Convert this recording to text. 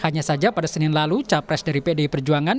hanya saja pada senin lalu capres dari pdi perjuangan